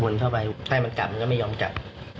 เข้าไปใช่มันกลับมันก็ไม่ยอมกลับ